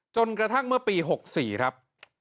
จนกระทั่งเมื่อปี๖๔ครับ